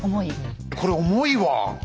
これ重いわ！